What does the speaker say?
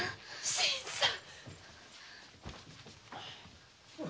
新さん。